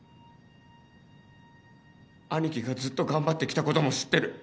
兄貴がずっと頑張ってきたことも知ってる。